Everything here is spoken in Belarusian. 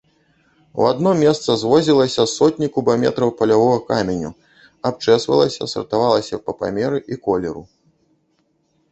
У адно месца звозілася сотні кубаметраў палявога каменю, абчэсвалася, сартавалася па памеры і колеру.